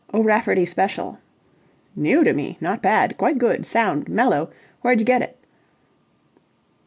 "O'Rafferty Special." "New to me. Not bad. Quite good. Sound. Mellow. Wherej get it?"